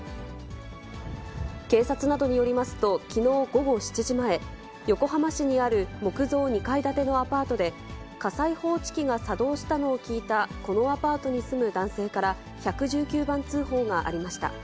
警察などによりますと、きのう午後７時前、横浜市にある木造２階建てのアパートで、火災報知機が作動したのを聞いたこのアパートに住む男性から１１９番通報がありました。